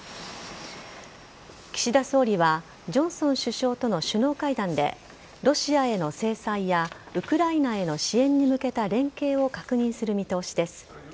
岸田総理はジョンソン首相との首脳会談でロシアへの制裁やウクライナへの支援に向けた連携を確認する見通しです。